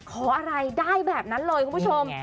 ขออะไรได้แบบนั้นเลยคุณผู้ชม